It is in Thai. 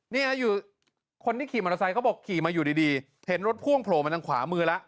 เนี่ยอยู่คนที่ขี่มอเตอร์ไซส์ก็บอกขี่มาอยู่ดีเห็นรถพ่วงโพลมันทางขวามือละ